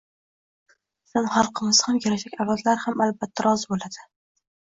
bizdan xalqimiz ham, kelajak avlodlar ham albatta rozi bo‘ladi.